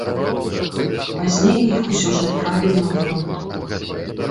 Пазней іх усё ж адправілі на фронт.